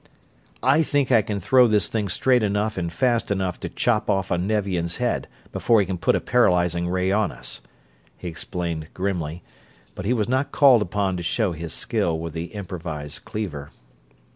"I think I can throw this thing straight enough and fast enough to chop off a Nevian's head before he can put a paralyzing ray on us," he explained grimly, but he was not called upon to show his skill with the improvised cleaver.